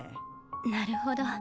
なるほど。